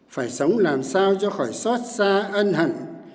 phải sống làm sao cho khỏi xót xa ân hẳn